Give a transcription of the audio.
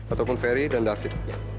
ataupun ferry dan david